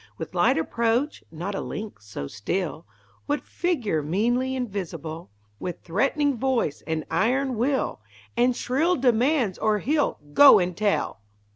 With light approach (not a lynx so still), With figure meanly invisible, With threatening voice and iron will, And shrill demands or he'll "go and tell!"